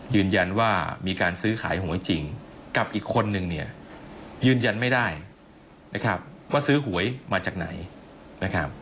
ยืนยันว่ามีการซื้อขายหวยจริงกับอีกคนหนึ่งยืนยันไม่ได้ว่าซื้อหวยมาจากไหน